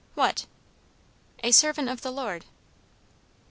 "What?" "A servant of the Lord."